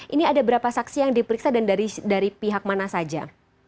ini ada berapa saksi yang diperiksa dan dari pihak mana saja